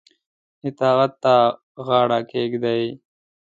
اطاعت ته غاړه کښيږدي.